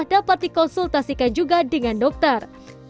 dapat dikonsultasikan juga dengan dokter